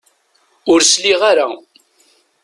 Ur sliɣ ara.